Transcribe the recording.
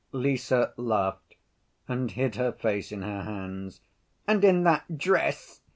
Lise laughed, and hid her face in her hands. "And in that dress!"